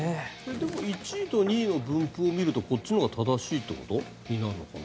でも１位と２位の分布を見るとこっちのほうが正しいってことになるのかな？